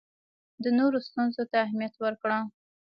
د نورو ستونزو ته اهمیت ورکړه.